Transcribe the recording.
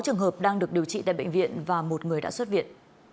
sáu trường hợp đang được điều trị tại bệnh viện và một người đã xuất viện